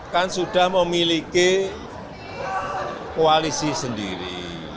kan sudah memiliki koalisi sendiri